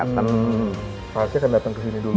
jadi dia akan datang ke sini dulu